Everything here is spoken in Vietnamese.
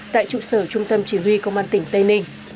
tại trụ sở trung tâm chỉ huy công an tỉnh tây ninh